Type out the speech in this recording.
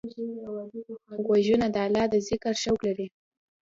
غوږونه د الله د ذکر شوق لري